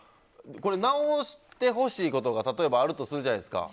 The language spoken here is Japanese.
直してほしいことが例えばあるとするじゃないですか。